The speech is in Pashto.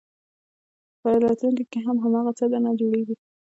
په راتلونکي کې هم هماغه څه درنه جوړېږي.